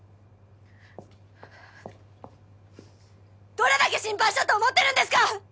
どれだけ心配したと思ってるんですか！